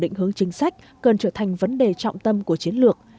định hướng chính sách cần trở thành vấn đề trọng tâm của chiến lược